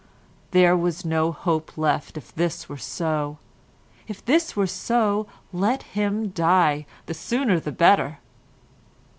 There was no hope left if this were so; if this were so, let him die, the sooner the better.